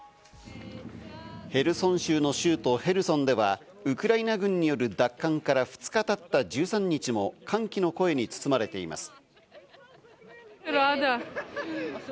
ヘルソン州の州都へルソンでは、ウクライナ軍による奪還から２日たった１３日も歓喜の声に包まれています。